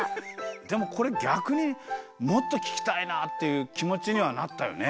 でもこれぎゃくにもっとききたいなあっていうきもちにはなったよね。